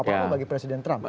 pengaruh apa bagi presiden trump